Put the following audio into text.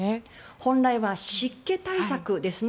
本来は湿気対策ですね。